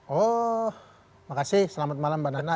oh makasih selamat malam mbak nana